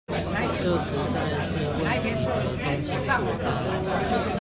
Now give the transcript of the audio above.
這實在是問題的中心所在